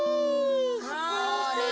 あれ？